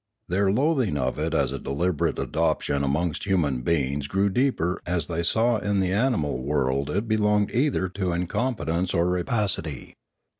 Their loathing of it as a deliberate adoption amongst human beings grew deeper as they saw that in the animal world it belonged either to incompetence or rapacity.